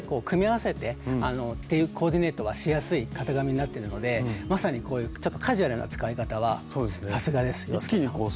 組み合わせてっていうコーディネートがしやすい型紙になってるのでまさにこういうちょっとカジュアルな使い方はさすがです洋輔さん。